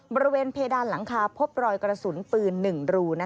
บริเวณเพดานหลังคาพบรอยกระสุนปืน๑รู